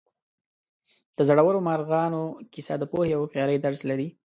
د زړورو مارغانو کیسه د پوهې او هوښیارۍ درس لري.